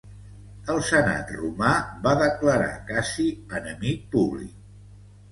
El senat romà va declarar Cassi enemic públic.